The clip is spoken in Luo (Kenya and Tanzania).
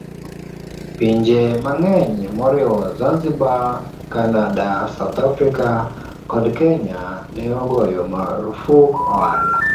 Pinje mang'eny moriwo Zanzibar, Canada, South Africa, kod Kenya ne ogoyo marfuk ohala